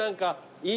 いい！